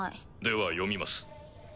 では読みます。